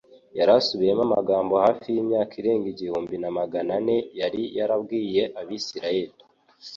Yari asubiyemo amagambo, hafi imyaka irenga igihumbi na magana ane yari yarabwiye Abisiraheli